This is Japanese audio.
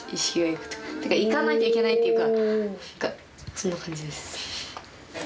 そんな感じです。